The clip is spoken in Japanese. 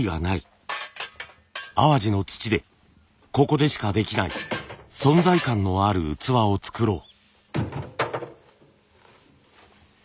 淡路の土でここでしかできない存在感のある器を作ろう。